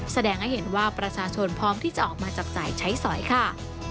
แสดงให้เห็นว่าประชาชนพร้อมที่จะออกมาจับจ่ายใช้สอยค่ะ